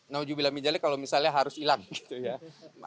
nah uju bilang mijalnya kalau misalnya harus hilang gitu ya